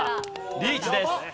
リーチです。